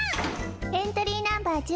エントリーナンバー１１